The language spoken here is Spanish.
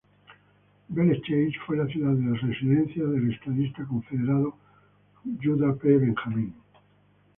Belle Chasse fue la ciudad de residencia del Estadista Confederado Judah P. Benjamin.